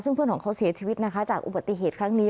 ซึ่งเพื่อนของเขาเสียชีวิตนะคะจากอุบัติเหตุครั้งนี้